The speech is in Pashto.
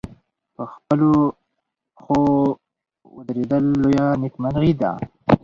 په خپلو پښو ودرېدل لویه نېکمرغي ده.